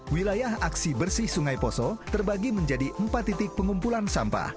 wilayah aksi bersih sungai poso terbagi menjadi empat titik pengumpulan sampah